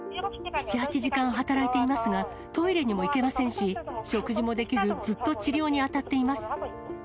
７、８時間働いていますが、トイレにも行けませんし、食事もできず、ずっと治療に当たっています。